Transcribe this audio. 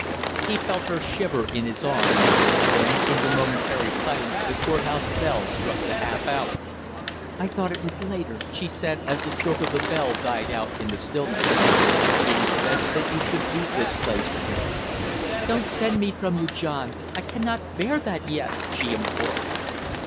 He felt her shiver in his arms, then in the momentary silence the court house bell struck the half hour. "I thought it was later," she said, as the stroke of the bell died out in the stillness. "It is best that you should leave this place, dearest " "Don't send me from you, John I can not bear that yet " she implored.